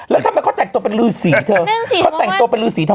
แล้วทำไมเขาแต่งตัวเป็นฤทธิ์สีเธอ